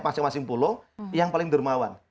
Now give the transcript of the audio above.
masing masing pulau yang paling dermawan